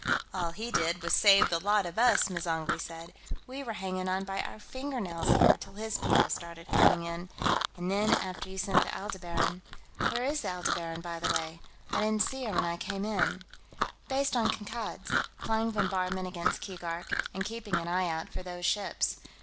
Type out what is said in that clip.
"All he did was save the lot of us!" M'zangwe said. "We were hanging on by our fingernails here till his people started coming in. And then, after you sent the Aldebaran...." "Where is the Aldebaran, by the way? I didn't see her when I came in." "Based on Kankad's, flying bombardment against Keegark, and keeping an eye out for those ships.